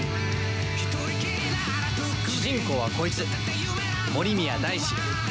主人公はこいつ森宮大志。